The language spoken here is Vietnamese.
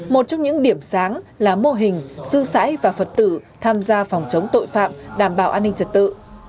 một trong những điểm sáng là mô hình sư sãi và phật tử tham gia phòng chống tội phạm đảm bảo an ninh trật tự